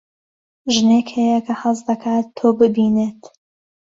ژنێک هەیە حەز دەکات تۆ ببینێت.